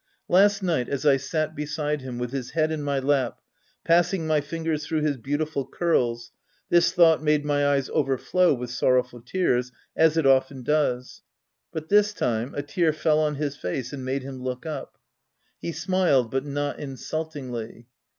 Last night as I sat beside him, with his head in my lap, passing my fingers through his beautiful curls, this thought made my eyes overflow with sorrowful tears — as it often does, — but this time, a tear fell on his face and made him look up. He smiled, but not insultingly.